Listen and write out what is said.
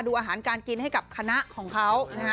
ดูอาหารการกินให้กับคณะของเขา